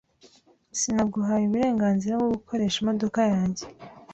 Sinaguhaye uburenganzira bwo gukoresha imodoka yanjye.